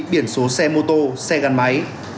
biển số xe mô tô xe gắn máy